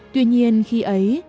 tuy nhiên khi ấy